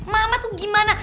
mama tuh gimana